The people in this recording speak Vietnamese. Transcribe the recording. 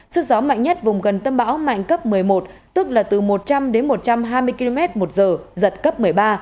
sức gió mạnh nhất vùng gần tâm bão mạnh cấp một mươi một tức là từ một trăm linh đến một trăm hai mươi km một giờ giật cấp một mươi ba